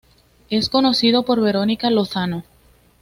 Es conducido por Verónica Lozano.